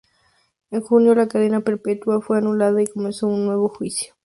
En junio, la cadena perpetua fue anulada y comenzó un nuevo juicio.